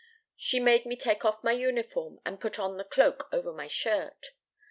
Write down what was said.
She made me take off my uniform, and put on the cloak over my shirt.